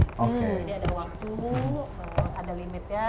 jadi ada waktu ada limitnya